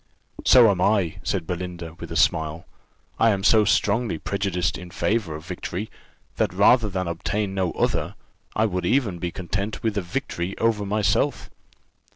"So am I," said Belinda, with a smile; "I am so strongly prejudiced in favour of victory, that rather than obtain no other, I would even be content with a victory over myself."